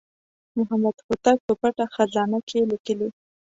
محمد هوتک په پټه خزانه کې لیکلي.